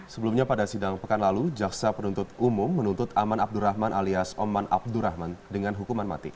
sebelumnya pada sidang pekan lalu jaksa penuntut umum menuntut aman abdurrahman alias oman abdurrahman dengan hukuman mati